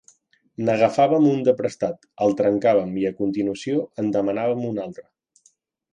N'agafàvem un de prestat, el trencàvem i, a continuació, en demanàvem un altre.